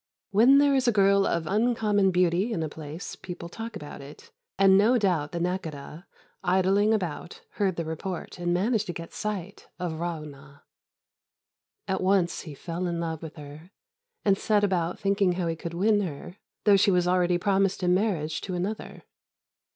When there is a girl of uncommon beauty in a place, people talk about it, and no doubt the Nakhôdah, idling about, heard the report and managed to get sight of Ra'ûnah. At once he fell in love with her, and set about thinking how he could win her, though she was already promised in marriage to another.